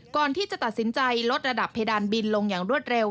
ก่อนที่จะตัดสินใจลดระดับเพดานบินลงอย่างรวดเร็ว